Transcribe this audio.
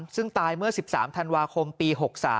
ซึ่งตายเมื่อ๑๓ธันวาคมปี๖๓